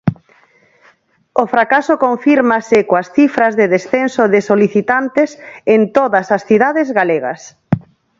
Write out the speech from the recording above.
O fracaso confírmase coas cifras de descenso de solicitantes en todas as cidades galegas.